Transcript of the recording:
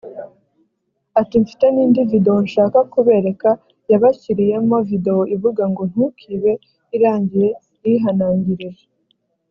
ati mfite n indi videwo nshaka kubereka yabashyiriyemo videwo ivuga ngo ntukibe irangiye yihanangirije